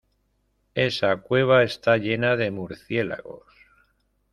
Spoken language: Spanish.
Esa cueva está llena de murciélagos.